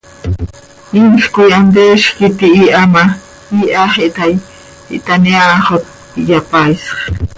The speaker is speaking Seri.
Inl coi hanteezj quih tihiiha ma, iihax ihtaai, ihtaneaaxot, ihyapaaisx.